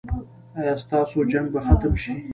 ایا ستاسو جنګ به ختم شي؟